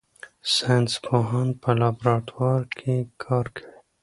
ساینس پوهان په لابراتوار کې کار کوي.